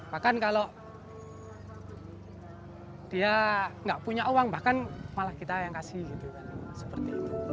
bahkan kalau dia nggak punya uang bahkan malah kita yang kasih gitu kan seperti itu